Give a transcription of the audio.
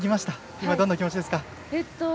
今、どんな気持ちですか？